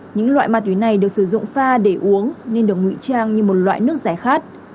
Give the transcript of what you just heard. những loại ma túy này được sử dụng pha để uống nên được ngụy trang như một loại nước giải khát